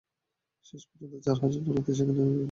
শেষ পর্যন্ত চার হাজার ডলার দিয়ে তাঁরা সেখান থেকে মুক্তি পান।